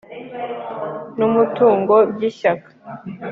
n umutungo by Ishyaka